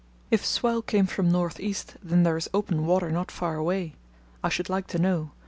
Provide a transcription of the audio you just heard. If swell came from north east then there is open water not far away. I should like to know.